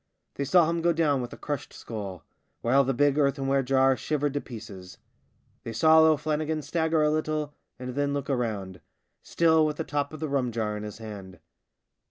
They saw him go down with a crushed skull, while the big earthenware jar shivered to pieces. They saw O'Flannigan stagger a little and then look round — still with the top of the rum jar in his hand.